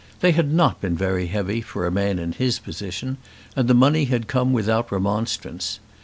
They had not been very heavy for a man in his position, and the money had come without remonstrance.